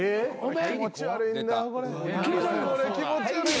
これ気持ち悪い。